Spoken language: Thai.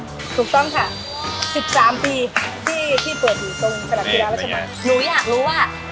ถูกต้องค่ะ๑๓ปีที่เปิดอยู่ตรงสถานกีฬาแล้วใช่มั้ย